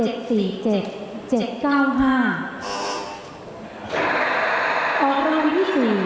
อพที่๔ครั้งที่๙